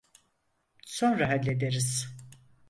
Sonra hallederiz.